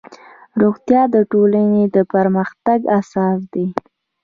روغتیا د ټولنې د پرمختګ اساس دی